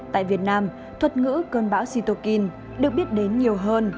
tại việt nam thuật ngữ cơn bão situkin được biết đến nhiều hơn